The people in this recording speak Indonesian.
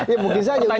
ya mungkin saja